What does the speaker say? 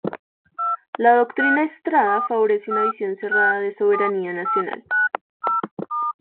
La Doctrina Estrada favorece una visión cerrada de soberanía nacional.